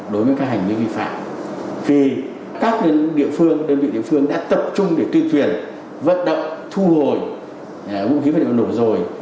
đơn vị địa phương đã tập trung để tuyên truyền vận động thu hồi vũ khí vật liệu nổ rồi